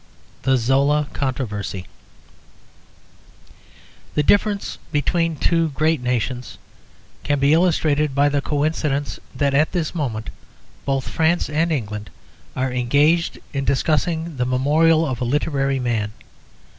THE ZOLA CONTROVERSY The difference between two great nations can be illustrated by the coincidence that at this moment both France and England are engaged in discussing the memorial of a literary man.